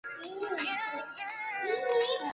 西汉至唐宋亦是边睡重镇。